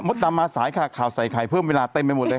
ดำมาสายค่ะข่าวใส่ไข่เพิ่มเวลาเต็มไปหมดเลย